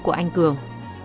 của anh cường